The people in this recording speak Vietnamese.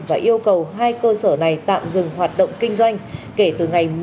và yêu cầu hai cơ sở này tạm dừng hoạt động kinh doanh kể từ ngày một mươi ba tháng bốn năm hai nghìn hai mươi